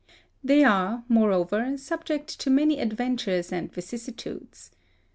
They are, moreover, subject to many adventures and vicissitudes.